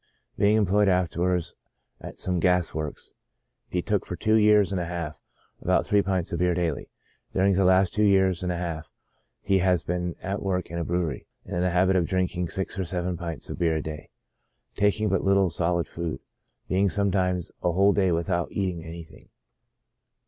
Being employed afterwards at some gas works, he took for two years and a half about three pints of beer daily. During the last two years and a half he has been at work in a brewery, and in the habit of drinking six or seven pints of beer a day, taking but little solid food : being sometimes a whole day without eating anything.